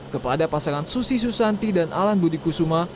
kepada pasangan susi susanti dan alan budi kusuma